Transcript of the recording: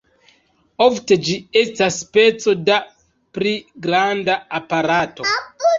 Ofte, ĝi estas peco da pli granda aparato.